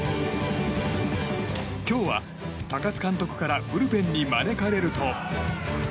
今日は高津監督からブルペンに招かれると。